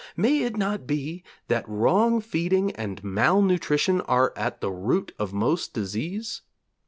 May it not be that wrong feeding and mal nutrition are at the root of most disease?